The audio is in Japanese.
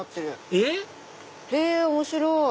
えっ⁉面白い！